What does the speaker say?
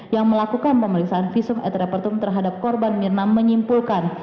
yang melakukan pemeriksaan visum et repertum terhadap korban mirna menyimpulkan